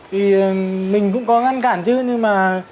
vì mình cũng có ngăn cản chứ nhưng mà